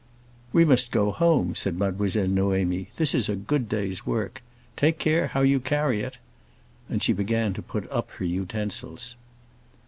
"We must go home," said Mademoiselle Noémie. "This is a good day's work. Take care how you carry it!" And she began to put up her utensils.